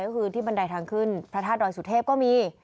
ก็คือที่บันไดทางขึ้นพระธาตุดอยสุเทพก็มี